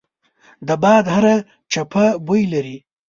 د باد هره چپه بوی لري